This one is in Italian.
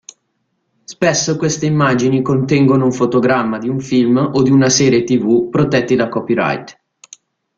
Spesso queste immagini contengono un fotogramma di un film o di una serie TV protetti da copyright.